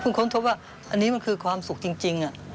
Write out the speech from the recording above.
เพิ่งค้นพบว่าอันนี้มันคือความสุขจริงค่ะ